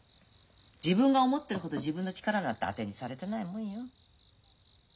自分が思ってるほど自分の力なんて当てにされてないもんよ。